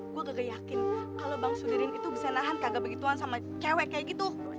gue gak yakin kalau bang sudirin itu bisa nahan kagak begituan sama cewek kayak gitu